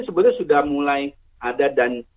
sebetulnya sudah mulai ada dan